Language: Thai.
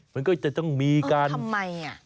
มันก็จะต้องมีการทำไมอ่ะ